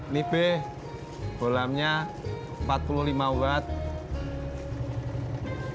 nih be bolamnya empat puluh lima watt